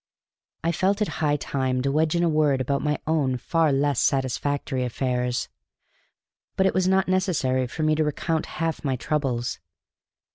I felt it high time to wedge in a word about my own far less satisfactory affairs. But it was not necessary for me to recount half my troubles.